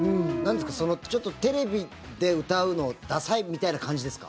テレビで歌うのダサいみたいな感じですか？